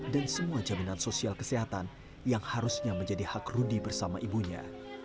dan semua jaminan sosial kesehatan yang harusnya menjadi hak rudi bersama ibunya